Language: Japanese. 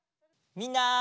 みんな。